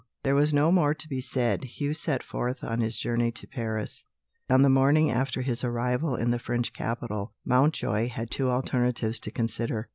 There was no more to be said, Hugh set forth on his journey to Paris. On the morning after his arrival in the French capital, Mountjoy had two alternatives to consider.